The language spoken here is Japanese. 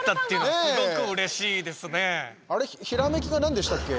ひらめきが何でしたっけ？